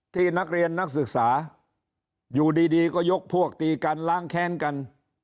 ที่นักเรียนนักศึกษาอยู่ดีก็ยกพวกตีกันล้างแค้นกัน